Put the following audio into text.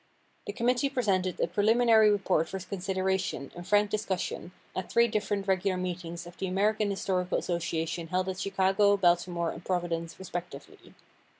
The committee presented a preliminary report for consideration and frank discussion at three different regular meetings of the American Historical Association held at Chicago, Baltimore and Providence respectively.